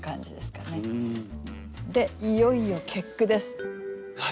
でいよいよ結句です。